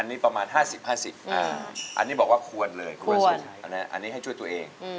อันนี้ประมาณ๕๐๕๐อันนี้บอกว่าควรเลยควรอันนี้ให้ช่วยตัวเอง